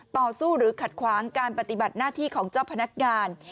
ต่อสู้หรือขัดขวางการปฏิบัติหน้าที่ของเจ้าพนักงาน